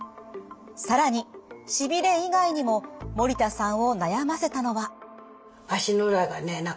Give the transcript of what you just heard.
更にしびれ以外にも森田さんを悩ませたのは。